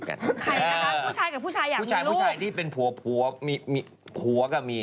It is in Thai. ใช่ค่ะตั่งผู้ชายกับผู้ชายอยากมีลูก